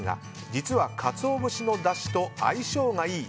実はカツオ節のだしと相性がいい